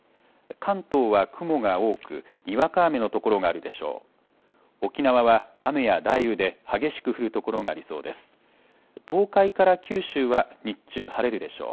関東は雲が多くにわか雨の所があるでしょう。